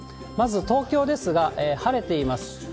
まず、東京ですが、晴れています。